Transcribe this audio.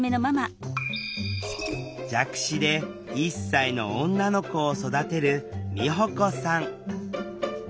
弱視で１歳の女の子を育てる美保子さん